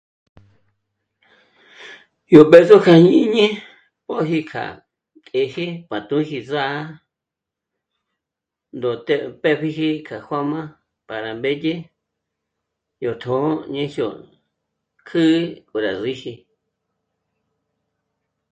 Yó b'ë̌zo kja jñíñi móji kja të́jë p'àt'üji zà'a ndó'te pë́pjiji k'a juä̂jmā para mbédye yó tjō̌'o ñejyo kjǘ'ü pò rá síji